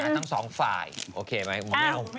ทั้งสองฝ่ายโอเคไหมผมไม่เอา